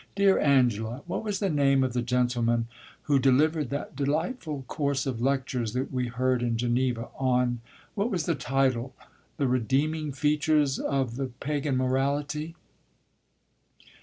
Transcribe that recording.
"Dear Angela, what was the name of the gentleman who delivered that delightful course of lectures that we heard in Geneva, on what was the title? 'The Redeeming Features of the Pagan Morality.